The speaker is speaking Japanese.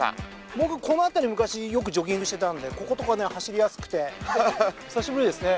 僕この辺り昔よくジョギングしてたのでこことかね走りやすくて。久しぶりですね。